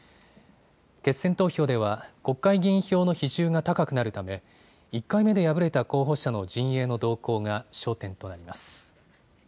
決選投票では、国会議員票の比重が高くなるため、１回目で敗れた候補者の陣営の動向が焦点となります。